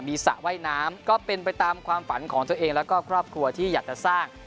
มีสระว่ายน้ำก็เป็นไปตามความฝันของตัวเองแล้วก็ครอบครัวที่อยากจะสร้าง